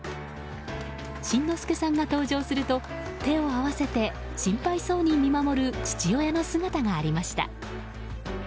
新之助さんが登場すると手を合わせて心配そうに見守る父親の姿がありました。